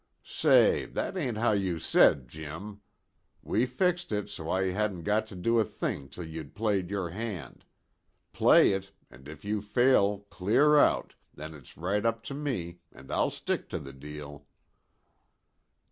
"Say, that ain't how you said, Jim. We fixed it so I hadn't got to do a thing till you'd played your 'hand.' Play it, an' if you fail clear out, then it's right up to me, an' I'll stick to the deal."